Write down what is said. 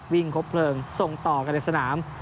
ครบเพลิงส่งต่อกันในสนาม